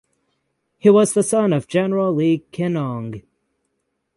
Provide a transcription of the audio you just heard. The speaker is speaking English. He was the son of General Li Kenong.